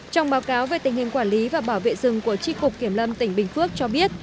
trong báo cáo về tình hình quản lý và bảo vệ rừng của tri cục kiểm lâm tỉnh bình phước cho biết